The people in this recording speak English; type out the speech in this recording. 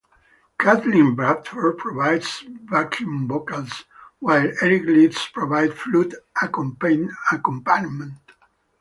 Kathleen Bradford provides backing vocals, while Eric Leeds provides flute accompaniment.